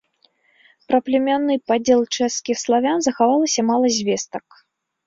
Пра племянны падзел чэшскіх славян захавалася мала звестак.